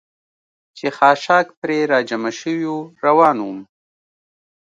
چې خاشاک پرې را جمع شوي و، روان ووم.